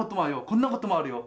こんなこともあるよ